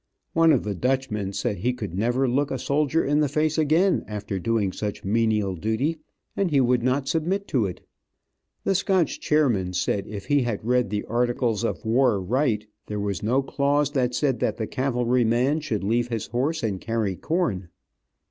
One of the Dutchmen said he could never look a soldier in the face again after doing such menial duty, and he would not submit to it. The Scotch chairman said if he had read the articles of war right there was no clause that said that the cavalry man should leave his horse and carry corn.